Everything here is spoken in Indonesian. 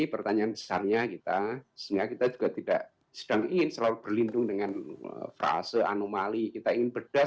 sehingga kita juga tidak sedang ingin selalu berlindung dengan fase anomali kita ingin berdasar